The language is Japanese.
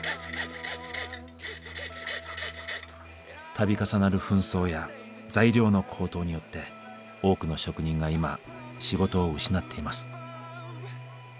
度重なる紛争や材料の高騰によって多くの職人が今仕事を失っています。